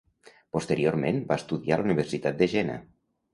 Posteriorment va estudiar a la universitat de Jena.